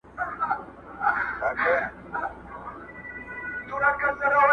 ستا دپښو سپين پايزيبونه زما بدن خوري~